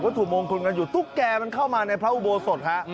ถูกมงคลกันอยู่ตุ๊กแก่มันเข้ามาในพระอุโบสถฮะ